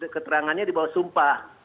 keterangannya di bawah sumpah